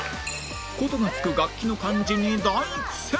「琴」がつく楽器の漢字に大苦戦